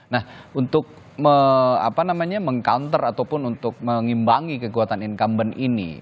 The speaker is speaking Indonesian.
nah untuk meng counter ataupun untuk mengimbangi kekuatan incumbent ini